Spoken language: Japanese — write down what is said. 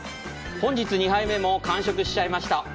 本日２杯目も完食しちゃいました。